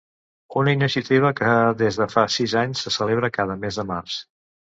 Una iniciativa que des de fa sis anys se celebra cada mes de març.